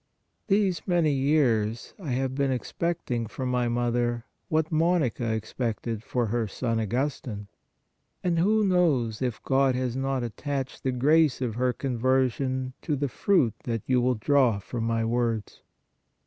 These many years I have been expecting for my mother, what Monica expected for her son Augustine. And who knows, if God has not attached the grace of her conversion to the fruit that you will draw from my words